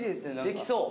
できそう。